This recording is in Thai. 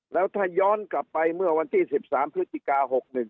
แล้วถ้าย้อนกลับไปเมื่อวันที่๑๓พฤศจิกา๖๑